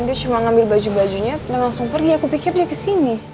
dia cuma ngambil baju bajunya langsung pergi aku pikir dia kesini